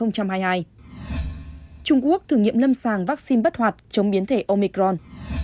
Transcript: trung quốc thử nghiệm lâm sàng vaccine bất hoạt chống biến thể omicron